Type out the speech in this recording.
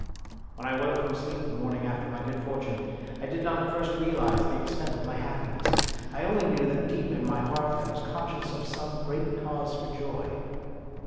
When I woke from sleep the morning after my good fortune, I did not at first realise the extent of my happiness ; I only knew that deep in my heart I was conscious of some great cause for joy.